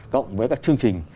cộng với các chương trình